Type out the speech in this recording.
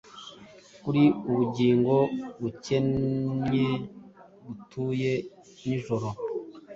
Kuri Ubugingo bukennye butuye nijoro,